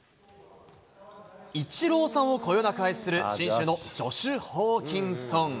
イチローさんをこよなく愛する信州のジョシュ・ホーキンソン。